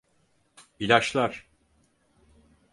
İlaçlar.